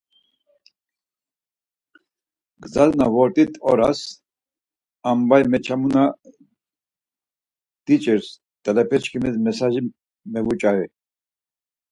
Gzas na vort̆it oras, ambai meçamu na diç̌irs dalepeçkimis mesaji mevuç̌ari.